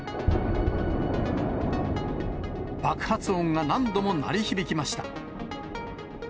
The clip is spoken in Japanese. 爆発音が何度も鳴り響きました。